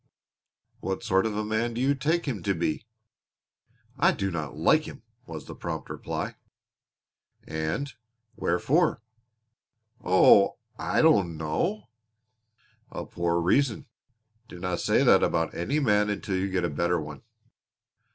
"What sort of a man do you take him to be?" "I do not like him!" was the prompt reply. "And wherefore?" "Oh, I don't know." "A poor reason. Dinna say that about any man until you get a better one."